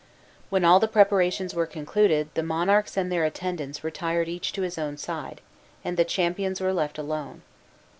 When all the preparations were concluded the monarchs and their attendants retired each to his own side, and the champions were left alone.